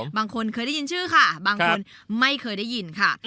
บางคนเคยได้ยินชื่อค่ะบางคนไม่เคยได้ยินค่ะ